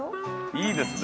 「いいですね」